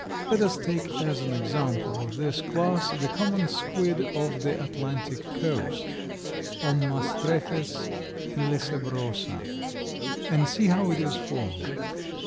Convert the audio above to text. Let us take as an example of this class the common squid of the Atlantic coast (Ommastrephes illecebrosa), and see how it is formed.